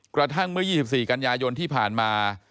กระทั่งเมื่อ๒๔กันยายนที่ผ่านมา